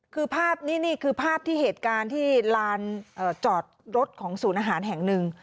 คือภาพนี้นี่คือภาพที่เหตุการณ์ที่ลานจอดรถของศูนย์อาหารแห่งหนึ่ง